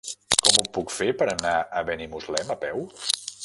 Com ho puc fer per anar a Benimuslem a peu?